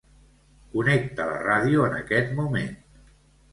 Connecta la ràdio en aquest moment.